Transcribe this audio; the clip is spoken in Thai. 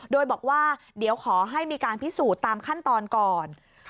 โดยบอกว่าเดี๋ยวขอให้มีการพิสูจน์ตามขั้นตอนก่อน